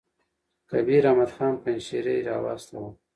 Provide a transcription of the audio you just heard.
کبیر احمد خان پنجشېري را واستاوه.